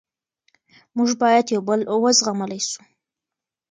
موږ باید یو بل و زغملی سو.